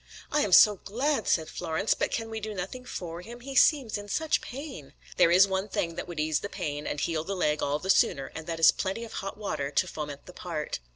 "I am so glad," said Florence; "but can we do nothing for him, he seems in such pain?" "There is one thing that would ease the pain and heal the leg all the sooner, and that is plenty of hot water to foment the part."